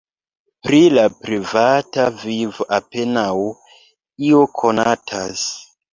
Pri la privata vivo apenaŭ io konatas.